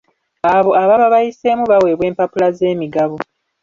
Abo ababa bayiseemu baweebwa empapula z'emigabo.